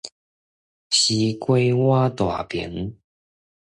西瓜倚大邊